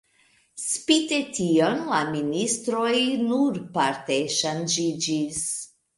Spite tion la ministroj nur parte ŝanĝiĝis.